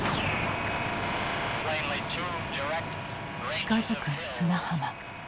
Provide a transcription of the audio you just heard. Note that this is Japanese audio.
近づく砂浜。